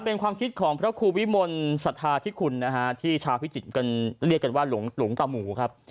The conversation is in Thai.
เป็นความคิดของพระครูวิมลศรัทธาธิคุณนะฮะที่ชาวพิจิตรกันเรียกกันว่าหลวงตาหมูครับ